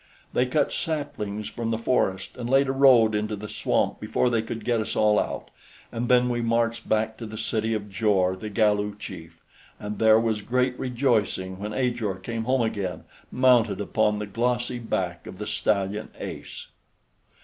They cut saplings from the forest and laid a road into the swamp before they could get us all out, and then we marched back to the city of Jor the Galu chief, and there was great rejoicing when Ajor came home again mounted upon the glossy back of the stallion Ace.